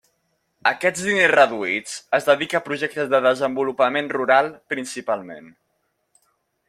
Aquests diners reduïts es dedica a projectes de desenvolupament rural, principalment.